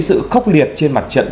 sự khốc liệt trên mặt trận